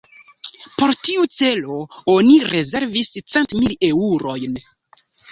Por tiu celo oni rezervis cent mil eŭrojn.